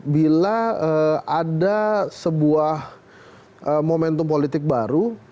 bila ada sebuah momentum politik baru